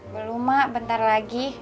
belum mak bentar lagi